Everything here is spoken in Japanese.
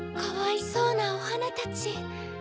かわいそうなおはなたち。